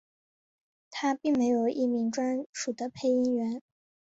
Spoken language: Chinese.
它并没有一名专属的配音员。